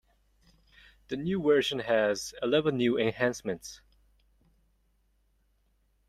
The new version has eleven new enhancements.